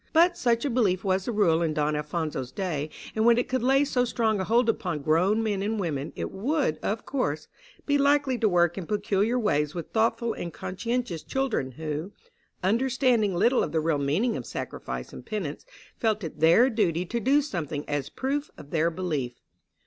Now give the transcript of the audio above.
But such a belief was the rule in Don Alphonso's day, and when it could lay so strong a hold upon grown men and women, it would, of course, be likely to work in peculiar ways with thoughtful and conscientious children, who, understanding little of the real meaning of sacrifice and penance, felt it their duty to do something as proof of their belief.